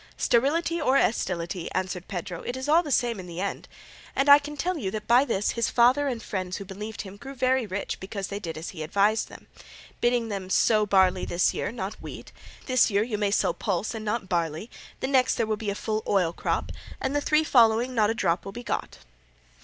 "Sterility or estility," answered Pedro, "it is all the same in the end. And I can tell you that by this his father and friends who believed him grew very rich because they did as he advised them, bidding them 'sow barley this year, not wheat; this year you may sow pulse and not barley; the next there will be a full oil crop, and the three following not a drop will be got.